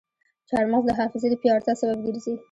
چارمغز د حافظې د پیاوړتیا سبب ګرځي.